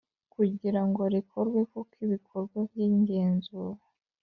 Kugira ngo rikorwe koko ibikorwa by igenzura